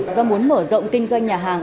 do muốn mở rộng tinh doanh nhà hàng